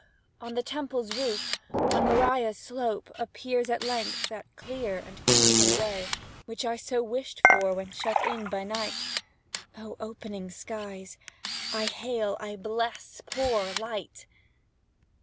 on the Temple's roof on Moriah's slope Appears at length that clear and crimson ray Which I so wished for when shut in by night; Oh, opening skies, I hail, I bless pour light!